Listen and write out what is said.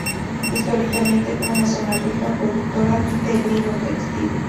Históricamente fue una zona rica productora de lino textil.